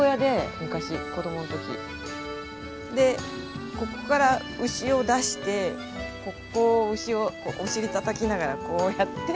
でここから牛を出してここを牛をお尻たたきながらこうやって。